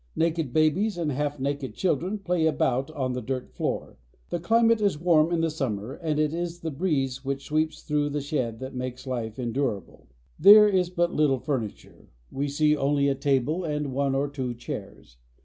Naked babies and half naked children play about on the dirt floor. The climate is warm in the summer, and it is the breeze which sweeps through the shed that makes life endurable. There is but little furniture. We see only a table and one or two chairs.